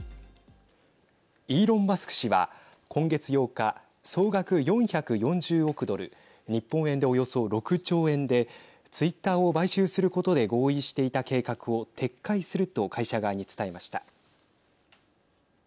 イーロン・マスク氏は今月８日総額４４０億ドル日本円で、およそ６兆円でツイッターを買収することで合意していた計画を撤回すると会社側に伝えました。